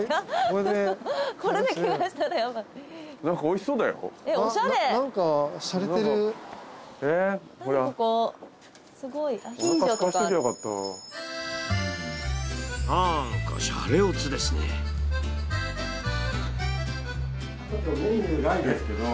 なんかシャレオツですね。